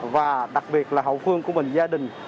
và đặc biệt là hậu phương của mình gia đình